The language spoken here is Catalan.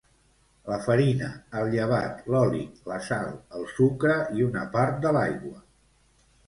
La farina, el llevat, l'oli, la sal, el sucre i una part de l'aigua.